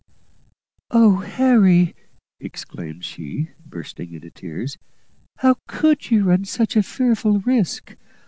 "Oh! Harry," exclaimed she, bursting into tears, "how could you run such a fearful risk!